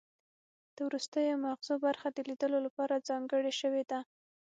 د وروستیو مغزو برخه د لیدلو لپاره ځانګړې شوې ده